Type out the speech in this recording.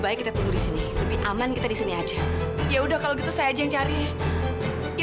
baik kita tunggu disini lebih aman kita disini aja ya udah kalau gitu saya aja yang cari ya